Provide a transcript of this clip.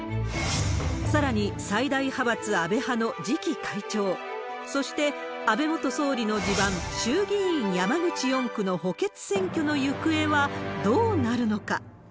さらに最大派閥、安倍派の次期会長、そして、安倍元総理の地盤、衆議院山口４区の補欠選挙の行方はどうなるのか。